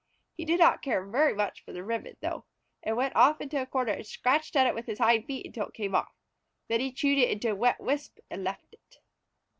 He did not care very much for the ribbon, though, and went off into a corner and scratched at it with his hind feet until it came off. Then he chewed it into a wet wisp and left it.